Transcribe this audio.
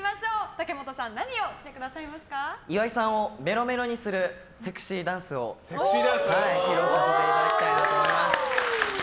武本さん岩井さんをメロメロにするセクシーダンスを披露させていただきたいなと思います。